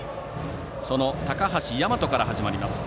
その高橋大和から始まる攻撃。